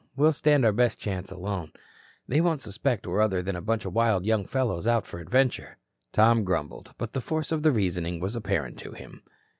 We'll stand our best chance alone. They won't suspect we're other than a bunch of wild young fellows out for adventure." Tom grumbled, but the force of the reasoning was apparent to him.